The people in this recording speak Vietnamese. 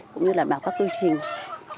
cũng như là đảm bảo các cư trình